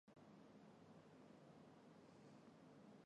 阿兹姆特连锁酒店管理公司还从事苏联时期的酒店改造业务。